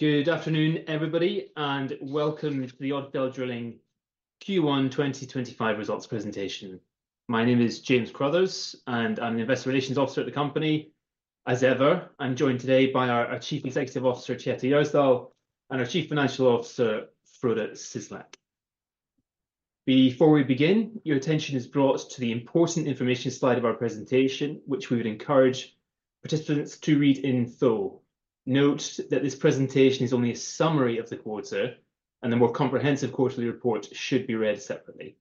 Good afternoon, everybody, and welcome to the Odfjell Drilling Q1 2025 results presentation. My name is James Crothers, and I'm the Investor Relations Officer at the company. As ever, I'm joined today by our Chief Executive Officer, Kjetil Gjersdal, and our Chief Financial Officer, Frode Syslak. Before we begin, your attention is brought to the important information slide of our presentation, which we would encourage participants to read in full. Note that this presentation is only a summary of the quarter, and the more comprehensive quarterly report should be read separately.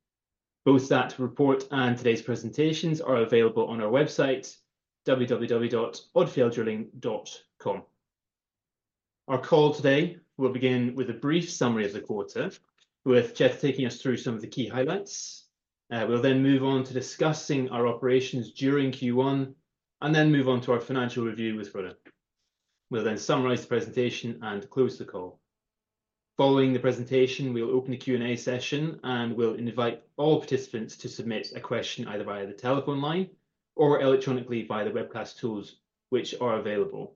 Both that report and today's presentations are available on our website, www.odfjelldrilling.com. Our call today will begin with a brief summary of the quarter, with Jess taking us through some of the key highlights. We'll then move on to discussing our operations during Q1, and then move on to our financial review with Frode. We'll then summarize the presentation and close the call. Following the presentation, we'll open a Q&A session, and we'll invite all participants to submit a question either via the telephone line or electronically via the webcast tools which are available.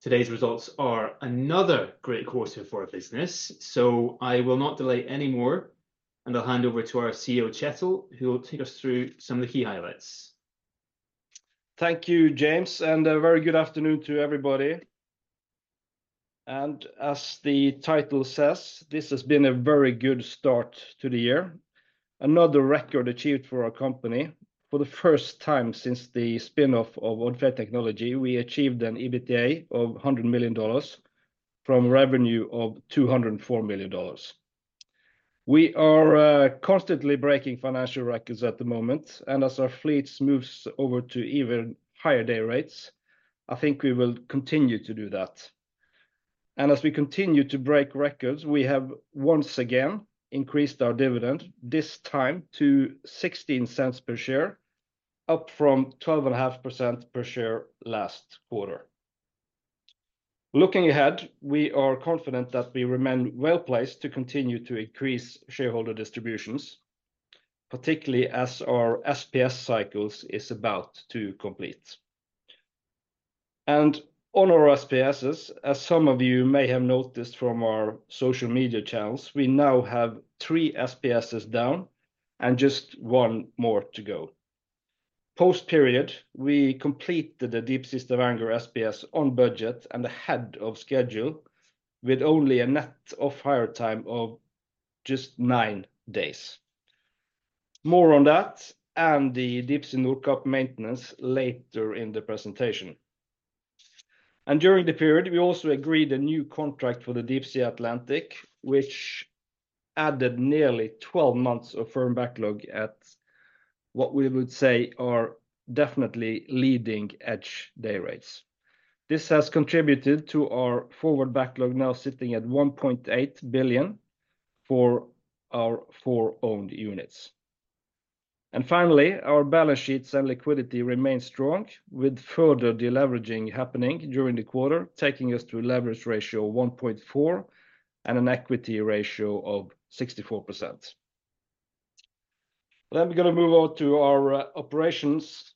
Today's results are another great quarter for our business, so I will not delay any more, and I'll hand over to our CEO, Kjetil, who will take us through some of the key highlights. Thank you, James, and a very good afternoon to everybody. As the title says, this has been a very good start to the year. Another record achieved for our company. For the first time since the spinoff of Odfjell Technology, we achieved an EBITDA of $100 million from revenue of $204 million. We are constantly breaking financial records at the moment, and as our fleets move over to even higher day rates, I think we will continue to do that. As we continue to break records, we have once again increased our dividend, this time to $0.16 per share, up from $0.125 per share last quarter. Looking ahead, we are confident that we remain well placed to continue to increase shareholder distributions, particularly as our SPS cycle is about to complete. On our SPSs, as some of you may have noticed from our social media channels, we now have three SPSs down and just one more to go. Post-period, we completed the Deepsea Stavanger SPS on budget and ahead of schedule, with only a net off-hire time of just nine days. More on that and the Deepsea Nordkapp maintenance later in the presentation. During the period, we also agreed a new contract for the Deepsea Atlantic, which added nearly 12 months of firm backlog at what we would say are definitely leading-edge day rates. This has contributed to our forward backlog now sitting at $1.8 billion for our four-owned units. Finally, our balance sheets and liquidity remain strong, with further deleveraging happening during the quarter, taking us to a leverage ratio of 1.4 and an equity ratio of 64%. We are going to move on to our operations.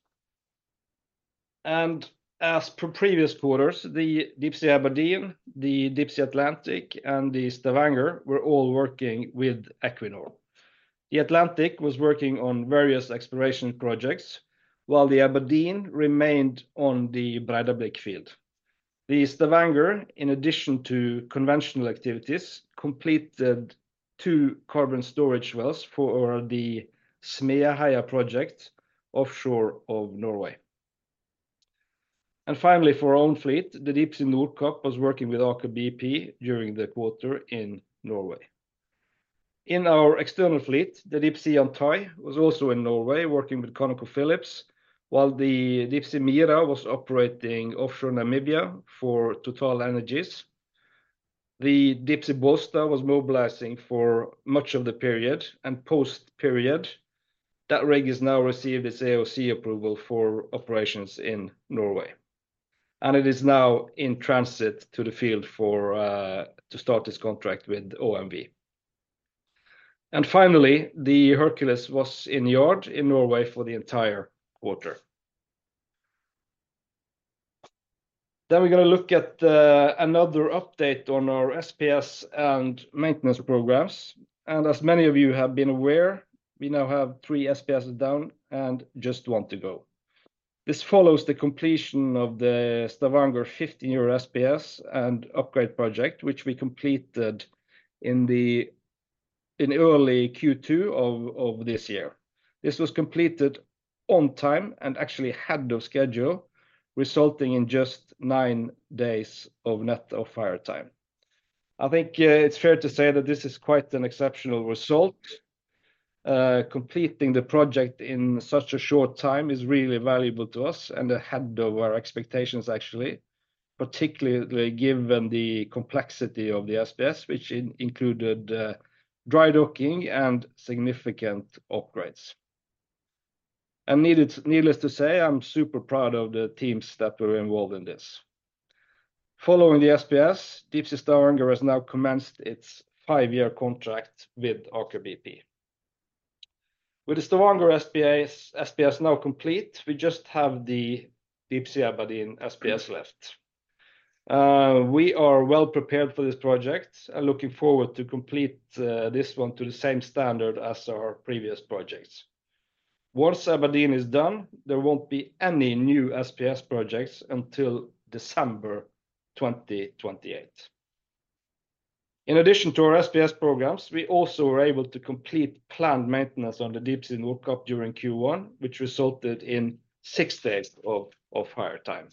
As per previous quarters, the Deepsea Aberdeen, the Deepsea Atlantic, and the Deepsea Stavanger were all working with Equinor. The Atlantic was working on various exploration projects, while the Aberdeen remained on the Breidablikk field. The Stavanger, in addition to conventional activities, completed two carbon storage wells for the Smeaheia project offshore of Norway. Finally, for our own fleet, the Deepsea Nordkapp was working with Aker BP during the quarter in Norway. In our external fleet, the Deepsea Onyx was also in Norway, working with ConocoPhillips, while the Deepsea Mira was operating offshore Namibia for TotalEnergies. The Deepsea Bollsta was mobilizing for much of the period, and post-period, that rig has now received its AOC approval for operations in Norway. It is now in transit to the field to start this contract with OMV. Finally, the Hercules was in yard in Norway for the entire quarter. We are going to look at another update on our SPS and maintenance programs. As many of you have been aware, we now have three SPSs down and just one to go. This follows the completion of the Stavanger 15-year SPS and upgrade project, which we completed in early Q2 of this year. This was completed on time and actually ahead of schedule, resulting in just nine days of net off-hire time. I think it is fair to say that this is quite an exceptional result. Completing the project in such a short time is really valuable to us and ahead of our expectations, actually, particularly given the complexity of the SPS, which included dry docking and significant upgrades. Needless to say, I am super proud of the teams that were involved in this. Following the SPS, Deepsea Stavanger has now commenced its five-year contract with Aker BP. With the Stavanger SPS now complete, we just have the Deepsea Aberdeen SPS left. We are well prepared for this project and looking forward to completing this one to the same standard as our previous projects. Once Aberdeen is done, there will not be any new SPS projects until December 2028. In addition to our SPS programs, we also were able to complete planned maintenance on the Deepsea Nordkapp during Q1, which resulted in six days of off-hire time.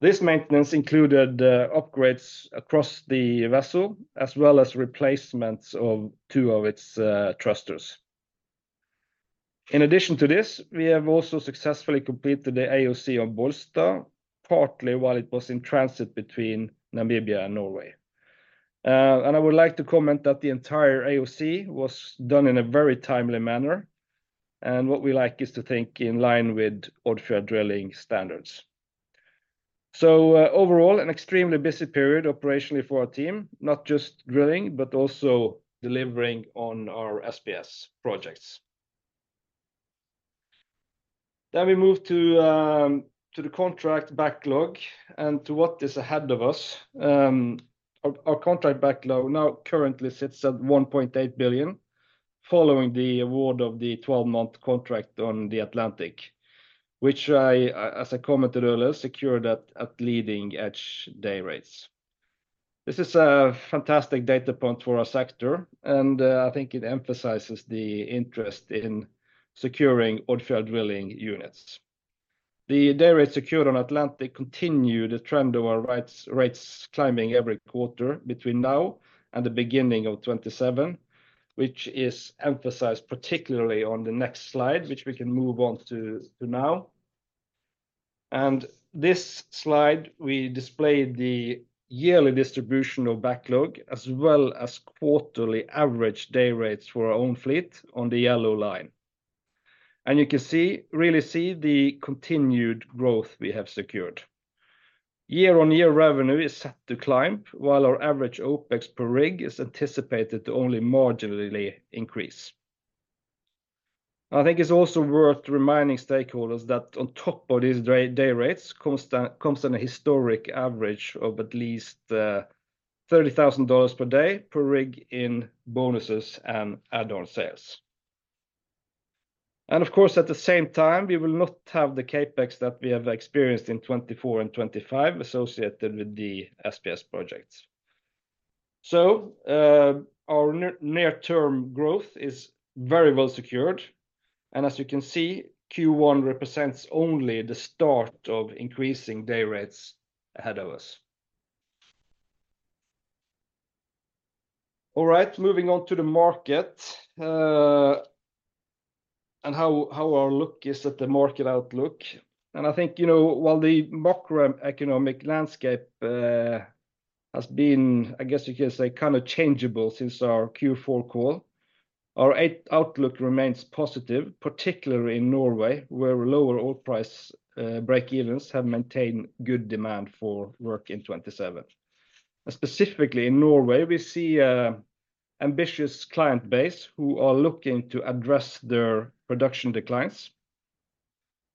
This maintenance included upgrades across the vessel, as well as replacements of two of its thrusters. In addition to this, we have also successfully completed the AOC on Bollsta, partly while it was in transit between Namibia and Norway. I would like to comment that the entire AOC was done in a very timely manner, and what we like is to think in line with Odfjell Drilling standards. Overall, an extremely busy period operationally for our team, not just drilling, but also delivering on our SPS projects. We move to the contract backlog and to what is ahead of us. Our contract backlog now currently sits at $1.8 billion, following the award of the 12-month contract on the Atlantic, which, as I commented earlier, secured at leading-edge day rates. This is a fantastic data point for our sector, and I think it emphasizes the interest in securing Odfjell Drilling units. The day rates secured on Atlantic continue the trend of our rates climbing every quarter between now and the beginning of 2027, which is emphasized particularly on the next slide, which we can move on to now. On this slide, we displayed the yearly distribution of backlog, as well as quarterly average day rates for our own fleet on the yellow line. You can really see the continued growth we have secured. Year-on-year revenue is set to climb, while our average OPEX per rig is anticipated to only marginally increase. I think it's also worth reminding stakeholders that on top of these day rates comes a historic average of at least $30,000 per day per rig in bonuses and add-on sales. Of course, at the same time, we will not have the Capex that we have experienced in 2024 and 2025 associated with the SPS projects. Our near-term growth is very well secured. As you can see, Q1 represents only the start of increasing day rates ahead of us. All right, moving on to the market and how our look is at the market outlook. I think, you know, while the macroeconomic landscape has been, I guess you can say, kind of changeable since our Q4 call, our outlook remains positive, particularly in Norway, where lower oil price breakevens have maintained good demand for work in 2027. Specifically in Norway, we see an ambitious client base who are looking to address their production declines.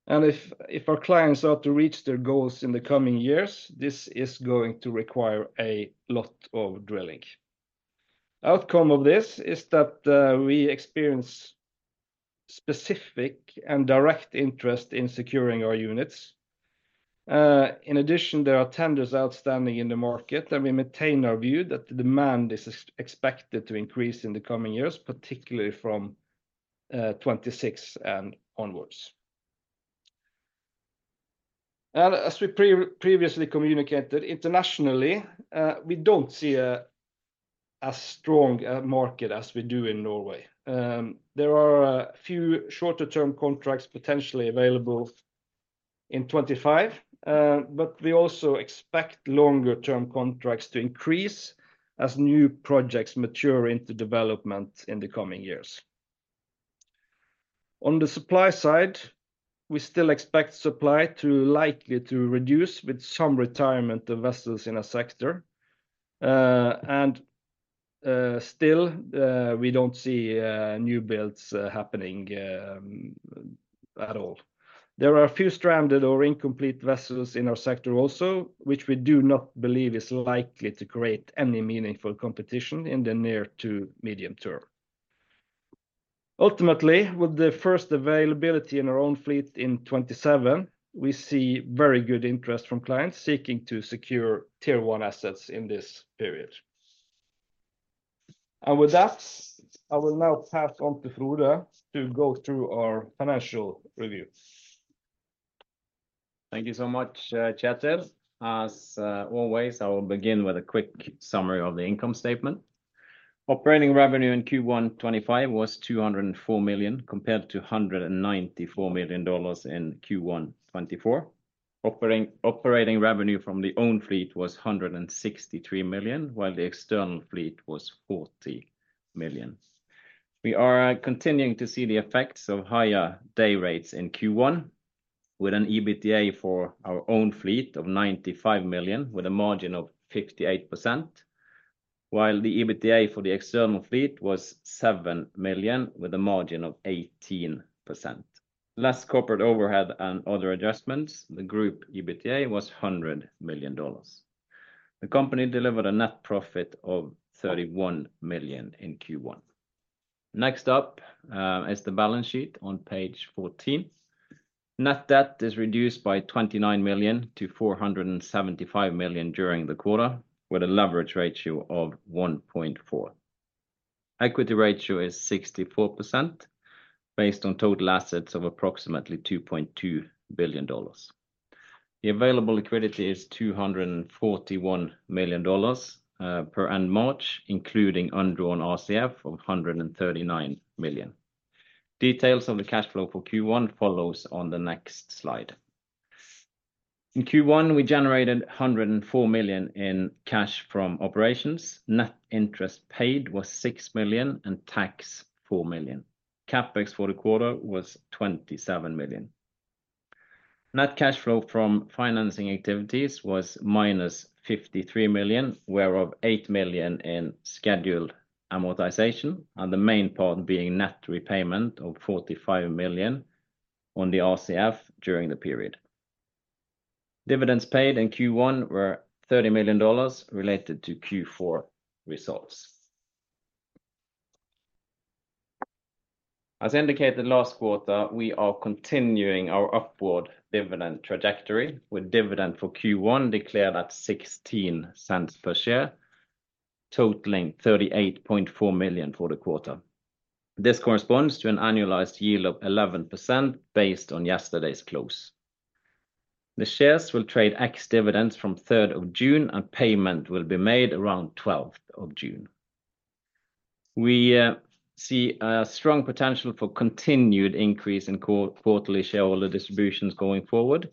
If our clients are to reach their goals in the coming years, this is going to require a lot of drilling. The outcome of this is that we experience specific and direct interest in securing our units. In addition, there are tenders outstanding in the market, and we maintain our view that the demand is expected to increase in the coming years, particularly from 2026 and onwards. As we previously communicated, internationally, we do not see a strong market as we do in Norway. There are a few shorter-term contracts potentially available in 2025, but we also expect longer-term contracts to increase as new projects mature into development in the coming years. On the supply side, we still expect supply to likely reduce with some retirement of vessels in our sector. We do not see new builds happening at all. There are a few stranded or incomplete vessels in our sector also, which we do not believe is likely to create any meaningful competition in the near to medium term. Ultimately, with the first availability in our own fleet in 2027, we see very good interest from clients seeking to secure tier one assets in this period. With that, I will now pass on to Frode to go through our financial review. Thank you so much, Kjetil. As always, I will begin with a quick summary of the income statement. Operating revenue in Q1 2025 was $204 million compared to $194 million in Q1 2024. Operating revenue from the own fleet was $163 million, while the external fleet was $40 million. We are continuing to see the effects of higher day rates in Q1, with an EBITDA for our own fleet of $95 million, with a margin of 58%, while the EBITDA for the external fleet was $7 million, with a margin of 18%. Less corporate overhead and other adjustments, the group EBITDA was $100 million. The company delivered a net profit of $31 million in Q1. Next up is the balance sheet on page 14. Net debt is reduced by $29 million to $475 million during the quarter, with a leverage ratio of 1.4. Equity ratio is 64%, based on total assets of approximately $2.2 billion. The available liquidity is $241 million per end March, including undrawn RCF of $139 million. Details of the cash flow for Q1 follow on the next slide. In Q1, we generated $104 million in cash from operations. Net interest paid was $6 million and tax $4 million. Capex for the quarter was $27 million. Net cash flow from financing activities was minus $53 million, whereof $8 million in scheduled amortization, and the main part being net repayment of $45 million on the RCF during the period. Dividends paid in Q1 were $30 million related to Q4 results. As indicated last quarter, we are continuing our upward dividend trajectory, with dividend for Q1 declared at $0.16 per share, totaling $38.4 million for the quarter. This corresponds to an annualized yield of 11% based on yesterday's close. The shares will trade ex-dividends from June 3, and payment will be made around June 12. We see a strong potential for continued increase in quarterly shareholder distributions going forward,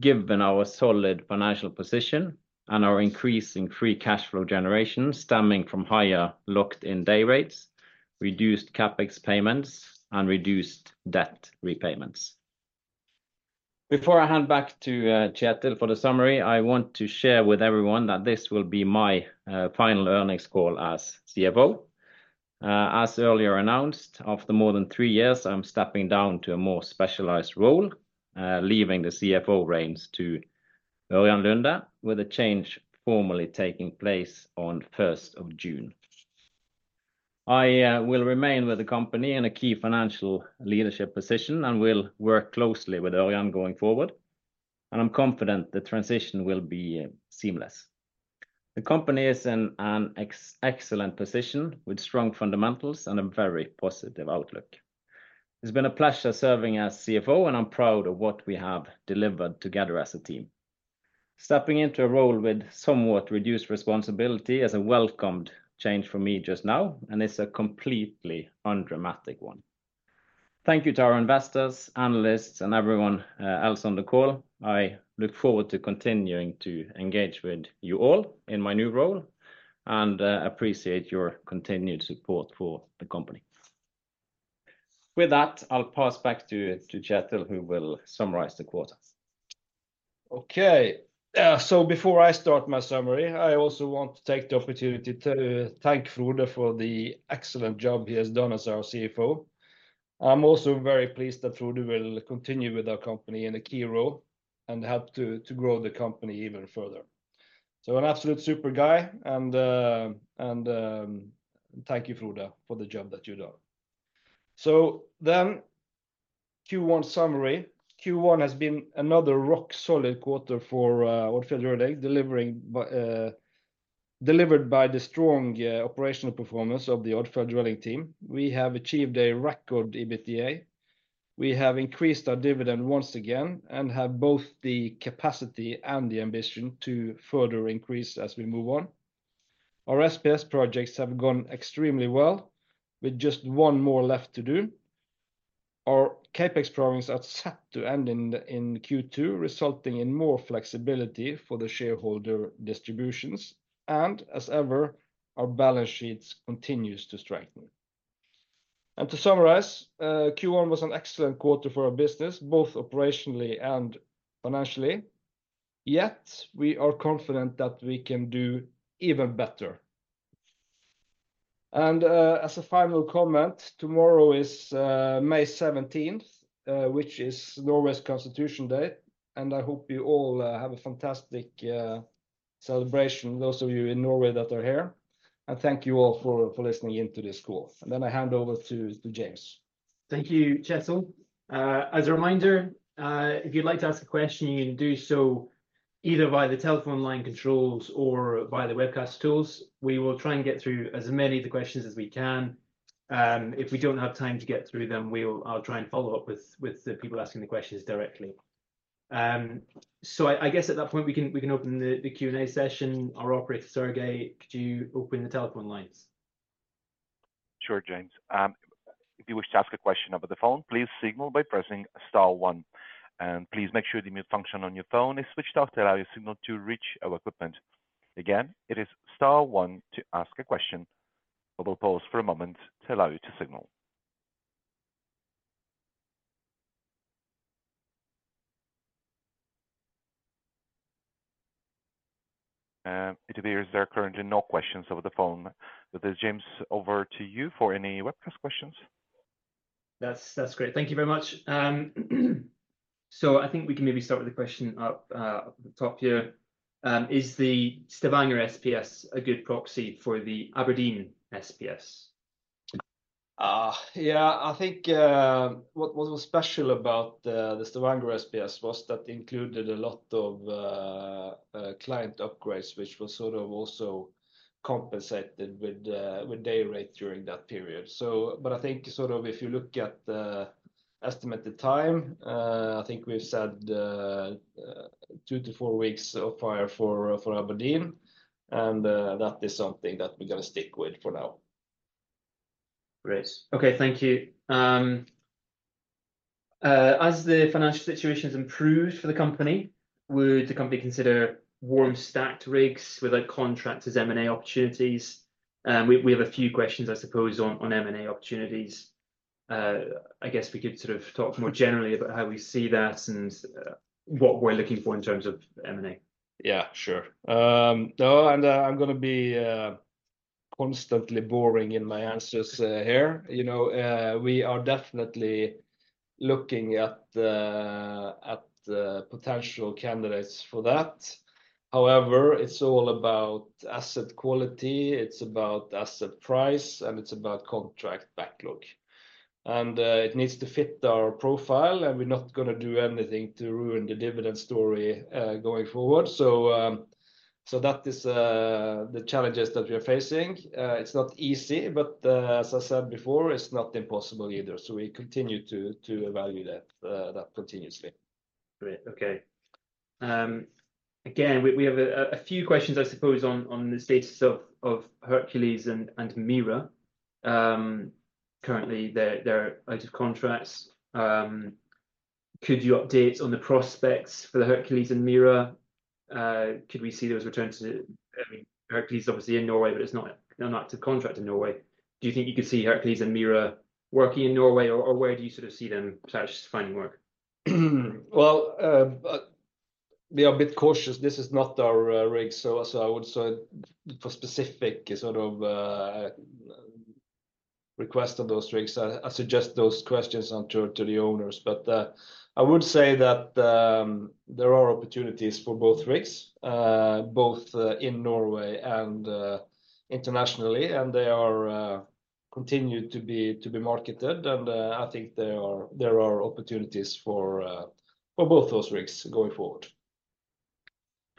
given our solid financial position and our increasing free cash flow generation stemming from higher locked-in day rates, reduced CapEx payments, and reduced debt repayments. Before I hand back to Kjetil for the summary, I want to share with everyone that this will be my final earnings call as CFO. As earlier announced, after more than three years, I'm stepping down to a more specialized role, leaving the CFO reins to Ørjan Lunde, with a change formally taking place on June 1. I will remain with the company in a key financial leadership position and will work closely with Ørjan going forward. I'm confident the transition will be seamless. The company is in an excellent position with strong fundamentals and a very positive outlook. It's been a pleasure serving as CFO, and I'm proud of what we have delivered together as a team. Stepping into a role with somewhat reduced responsibility is a welcomed change for me just now, and it's a completely undramatic one. Thank you to our investors, analysts, and everyone else on the call. I look forward to continuing to engage with you all in my new role and appreciate your continued support for the company. With that, I'll pass back to Kjetil, who will summarize the quarter. Okay, before I start my summary, I also want to take the opportunity to thank Frode for the excellent job he has done as our CFO. I'm also very pleased that Frode will continue with our company in a key role and help to grow the company even further. An absolute super guy. Thank you, Frode, for the job that you've done. Q1 summary. Q1 has been another rock-solid quarter for Odfjell Drilling, delivered by the strong operational performance of the Odfjell Drilling team. We have achieved a record EBITDA. We have increased our dividend once again and have both the capacity and the ambition to further increase as we move on. Our SPS projects have gone extremely well, with just one more left to do. Our CapEx drawings are set to end in Q2, resulting in more flexibility for the shareholder distributions. Our balance sheet continues to strengthen. To summarize, Q1 was an excellent quarter for our business, both operationally and financially. Yet we are confident that we can do even better. As a final comment, tomorrow is May 17th, which is Norway's Constitution Day. I hope you all have a fantastic celebration, those of you in Norway that are here. Thank you all for listening into this call. I hand over to James. Thank you, Kjetil. As a reminder, if you'd like to ask a question, you can do so either via the telephone line controls or via the webcast tools. We will try and get through as many of the questions as we can. If we don't have time to get through them, I'll try and follow up with the people asking the questions directly. I guess at that point, we can open the Q&A session. Our operator, Sergey, could you open the telephone lines? Sure, James. If you wish to ask a question over the phone, please signal by pressing star one. Please make sure the mute function on your phone is switched off to allow your signal to reach our equipment. Again, it is star one to ask a question. We will pause for a moment to allow you to signal. It appears there are currently no questions over the phone. James, over to you for any webcast questions. That's great. Thank you very much. I think we can maybe start with the question up at the top here. Is the Stavanger SPS a good proxy for the Aberdeen SPS? Yeah, I think what was special about the Stavanger SPS was that it included a lot of client upgrades, which was sort of also compensated with day rate during that period. I think sort of if you look at estimated time, I think we've said two to four weeks of off-hire for Aberdeen. That is something that we're going to stick with for now. Great. Okay, thank you. As the financial situation has improved for the company, would the company consider warm start rigs with contractors' M&A opportunities? We have a few questions, I suppose, on M&A opportunities. I guess we could sort of talk more generally about how we see that and what we're looking for in terms of M&A. Yeah, sure. No, and I'm going to be constantly boring in my answers here. We are definitely looking at potential candidates for that. However, it's all about asset quality. It's about asset price, and it's about contract backlog. It needs to fit our profile. We're not going to do anything to ruin the dividend story going forward. That is the challenges that we are facing. It's not easy, but as I said before, it's not impossible either. We continue to evaluate that continuously. Great. Okay. Again, we have a few questions, I suppose, on the status of Hercules and Mira. Currently, they're out of contracts. Could you update on the prospects for the Hercules and Mira? Could we see those returned to Hercules, obviously in Norway, but they're not out of contract in Norway? Do you think you could see Hercules and Mira working in Norway, or where do you sort of see them finally work? We are a bit cautious. This is not our rig. I would say for specific sort of requests of those rigs, I suggest those questions are turned to the owners. I would say that there are opportunities for both rigs, both in Norway and internationally, and they continue to be marketed. I think there are opportunities for both those rigs going forward.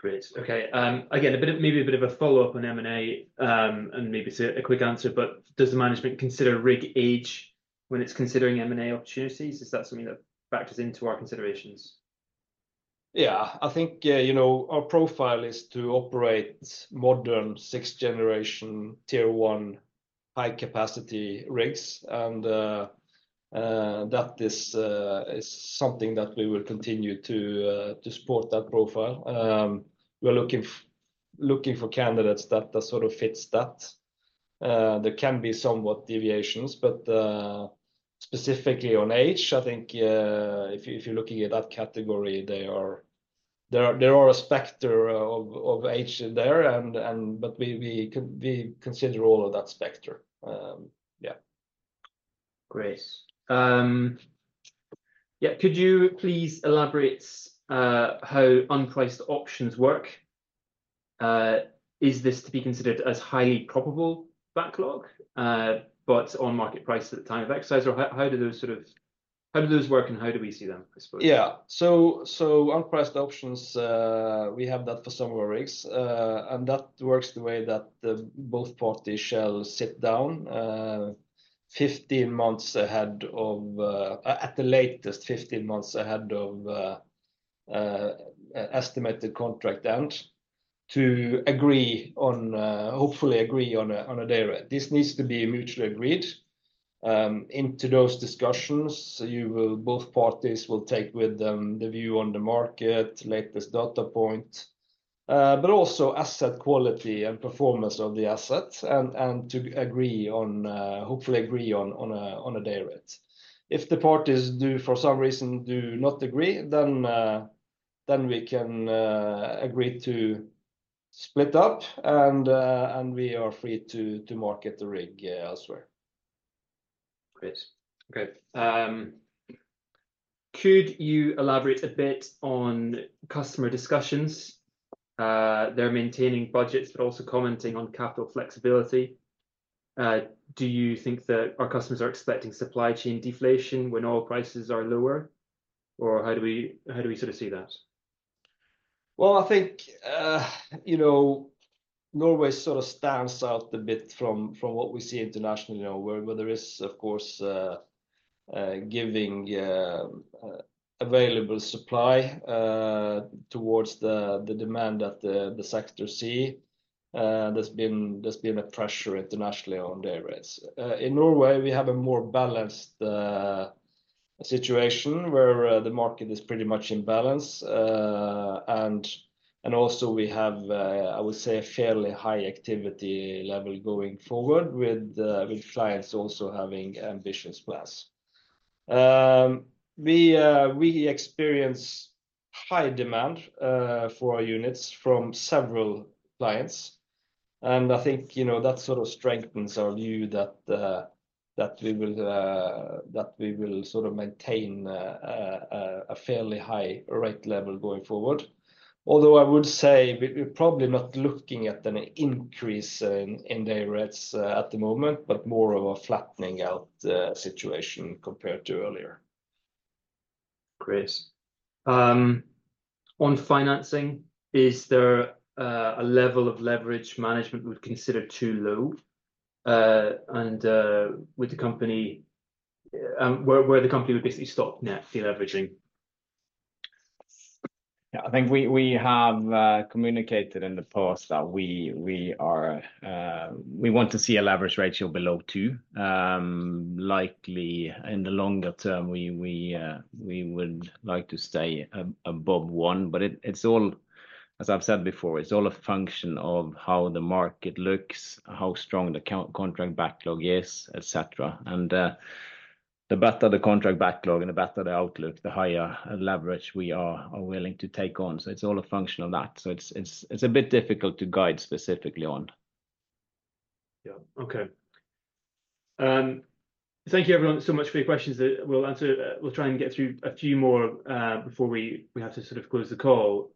Great. Okay. Again, maybe a bit of a follow-up on M&A and maybe a quick answer, but does the management consider rig age when it's considering M&A opportunities? Is that something that factors into our considerations? Yeah, I think our profile is to operate modern sixth-generation tier one high-capacity rigs. That is something that we will continue to support, that profile. We're looking for candidates that sort of fit that. There can be somewhat deviations, but specifically on age, I think if you're looking at that category, there is a specter of age there, but we consider all of that specter. Yeah. Great. Yeah. Could you please elaborate how unpriced options work? Is this to be considered as highly probable backlog, but on market price at the time of exercise? Or how do those sort of how do those work, and how do we see them, I suppose? Yeah. Unpriced options, we have that for some of our rigs. That works the way that both parties shall sit down 15 months ahead of, at the latest, 15 months ahead of estimated contract end to hopefully agree on a day rate. This needs to be mutually agreed. Into those discussions, both parties will take with them the view on the market, latest data point, but also asset quality and performance of the asset, and to hopefully agree on a day rate. If the parties do, for some reason, do not agree, then we can agree to split up, and we are free to market the rig elsewhere. Great. Okay. Could you elaborate a bit on customer discussions? They're maintaining budgets, but also commenting on capital flexibility. Do you think that our customers are expecting supply chain deflation when oil prices are lower? How do we sort of see that? I think Norway sort of stands out a bit from what we see internationally, where there is, of course, giving available supply towards the demand that the sector sees. There has been a pressure internationally on day rates. In Norway, we have a more balanced situation where the market is pretty much in balance. Also, we have, I would say, a fairly high activity level going forward, with clients also having ambitious plans. We experience high demand for our units from several clients. I think that sort of strengthens our view that we will sort of maintain a fairly high rate level going forward. Although I would say we're probably not looking at an increase in day rates at the moment, but more of a flattening out situation compared to earlier. Great. On financing, is there a level of leverage management would consider too low? Is there a point where the company would basically stop net deleveraging? Yeah, I think we have communicated in the past that we want to see a leverage ratio below two. Likely, in the longer term, we would like to stay above one. As I've said before, it's all a function of how the market looks, how strong the contract backlog is, etc. The better the contract backlog and the better the outlook, the higher leverage we are willing to take on. It's all a function of that. It's a bit difficult to guide specifically on. Yeah. Okay. Thank you, everyone, so much for your questions. We'll try and get through a few more before we have to sort of close the call.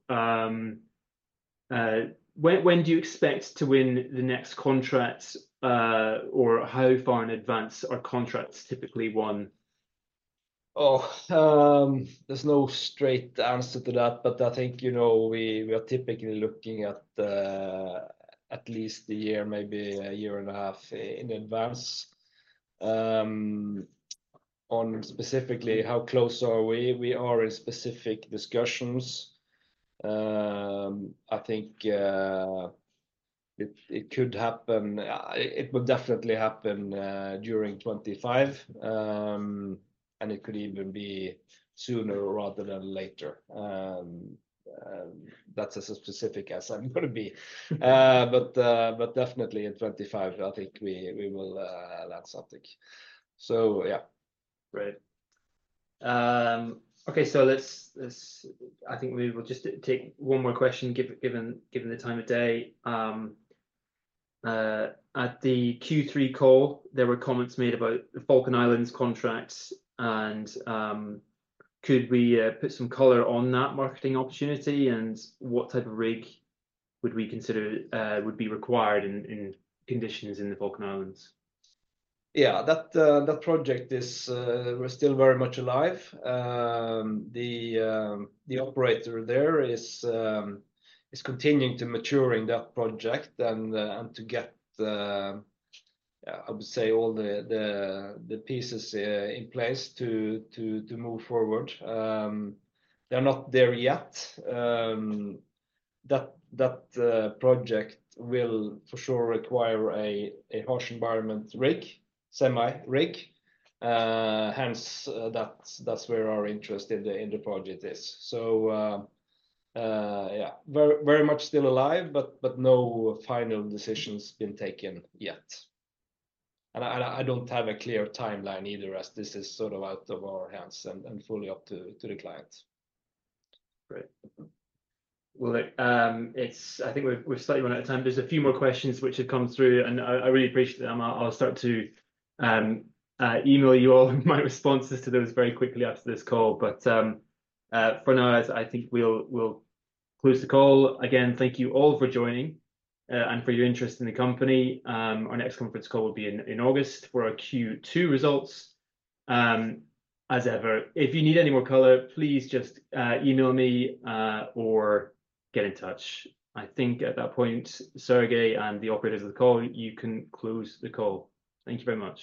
When do you expect to win the next contracts, or how far in advance are contracts typically won? Oh, there's no straight answer to that, but I think we are typically looking at at least a year, maybe a year and a half in advance. Specifically, how close are we? We are in specific discussions. I think it could happen. It would definitely happen during 2025. It could even be sooner rather than later. That's as specific as I'm going to be. Definitely in 2025, I think we will land something. Yeah. Great. Okay. I think we will just take one more question, given the time of day. At the Q3 call, there were comments made about the Falkland Islands contracts. Could we put some color on that marketing opportunity? What type of rig would be required in conditions in the Falkland Islands? Yeah. That project is still very much alive. The operator there is continuing to mature in that project and to get, I would say, all the pieces in place to move forward. They're not there yet. That project will for sure require a harsh environment rig, semi-rig. Hence, that's where our interest in the project is. Yeah, very much still alive, but no final decisions been taken yet. I don't have a clear timeline either, as this is sort of out of our hands and fully up to the client. Great. I think we've slightly run out of time. There are a few more questions which have come through. I really appreciate it. I'll start to email you all my responses to those very quickly after this call. For now, I think we'll close the call. Again, thank you all for joining and for your interest in the company. Our next conference call will be in August for our Q2 results. As ever, if you need any more color, please just email me or get in touch. I think at that point, Sergey and the operators of the call, you can close the call. Thank you very much.